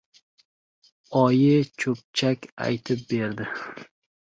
— Oyi, cho‘pchak aytib bering.